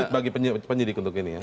sulit bagi penyelidik untuk ini ya